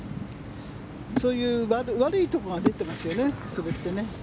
そういう悪いところが出ていますよね。